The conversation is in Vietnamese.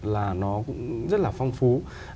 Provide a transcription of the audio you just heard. là nó cũng rất là phong phú